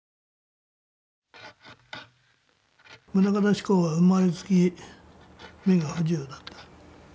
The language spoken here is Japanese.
棟方志功は生まれつき目が不自由だった。